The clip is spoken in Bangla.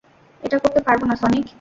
এটা করতে পারব না, সনিক।